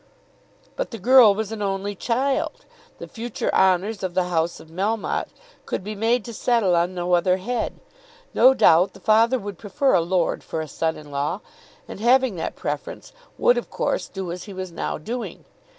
But the girl was an only child. The future honours of the house of Melmotte could be made to settle on no other head. No doubt the father would prefer a lord for a son in law; and, having that preference, would of course do as he was now doing.